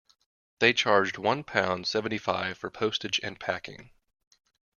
They charged one pound seventy-five for postage and packing